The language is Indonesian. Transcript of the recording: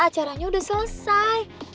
acaranya udah selesai